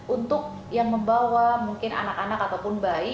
untuk yang membawa mungkin anak anak ataupun bayi